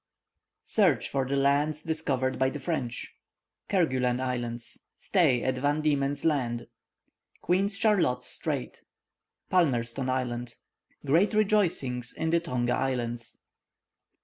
Search for the lands discovered by the French Kerguelen Islands Stay at Van Diemen's Land Queen Charlotte's Strait Palmerston Island Grand rejoicings in the Tonga Islands.